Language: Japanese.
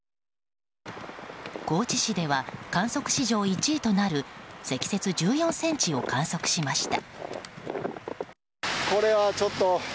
高知市では観測史上１位となる積雪１４ｃｍを観測しました。